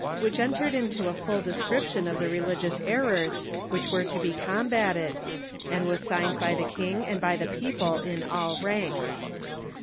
which entered into a full description of the religious errors which were to be com bated, and was signed hy the king and by the people in all ranks.